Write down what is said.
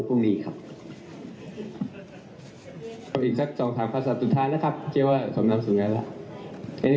หรือว่าเป็นคนที่เป็นผู้กับชาติก่อนที่มี